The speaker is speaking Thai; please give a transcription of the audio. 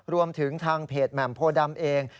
รวมถึงทางเพจแหม่มโพดำเอง